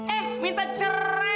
eh minta cerai